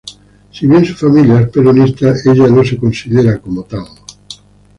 Si bien su familia es peronista, ella no se considera como tal.